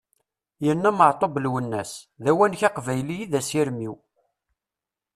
Yenna Meɛtub Lwennas: "d awanek aqbayli i d asirem-iw!"